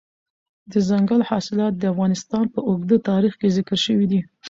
دځنګل حاصلات د افغانستان په اوږده تاریخ کې ذکر شوی دی.